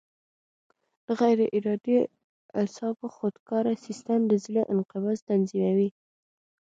د غیر ارادي اعصابو خودکاره سیستم د زړه انقباض تنظیموي.